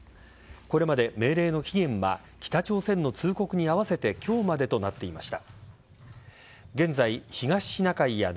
これまで、命令の期限は北朝鮮の通告に合わせて今日までとなっていました。